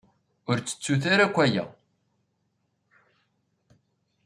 Ur ttettut ara akk aya.